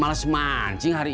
enggak kagak usah gratis